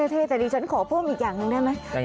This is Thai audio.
เท่แต่ดิฉันขอเพิ่มอีกอย่างหนึ่งได้ไหม